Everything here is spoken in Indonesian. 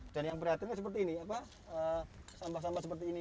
dan yang perhatiannya seperti ini sampah sampah seperti ini